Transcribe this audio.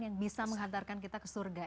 yang bisa menghantarkan kita ke surga